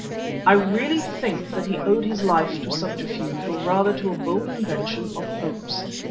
I really think that he owed his life to a subterfuge, or rather to a bold invention of Hope's.